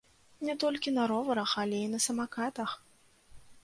Не толькі на роварах, але і на самакатах!